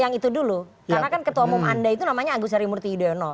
yang itu dulu karena kan ketua umum anda itu namanya agus harimurti yudhoyono